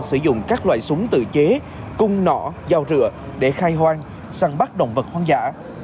sử dụng các loại súng tự chế cung nỏ giao rửa để khai hoang săn bắt động vật hoang dã